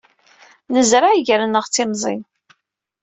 Nezreɛ iger-nteɣ d timẓin.